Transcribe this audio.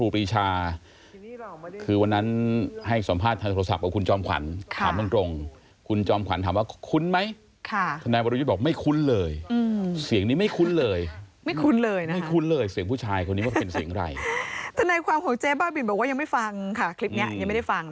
พ่อเห็นมันแพงเพราะก็เลยไม่ได้ตั้งใจซื้อ